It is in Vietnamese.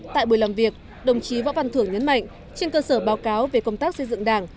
tại buổi làm việc đồng chí võ văn thưởng nhấn mạnh trên cơ sở báo cáo về công tác xây dựng đảng